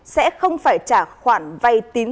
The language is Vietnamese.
sẽ không phải trả khoản vay tín